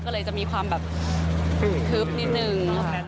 ก็เลยจะมีความแบบทึบนิดนึง